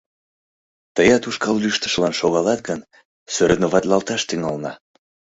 Тыят ушкал лӱштышылан шогалат гын, соревноватлаш тӱҥалына.